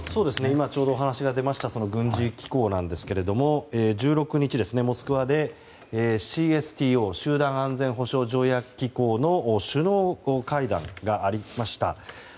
今ちょうどお話が出ました軍事機構ですが１６日、モスクワで、ＣＳＴＯ・集団安全保障条約機構の首脳会談がありました。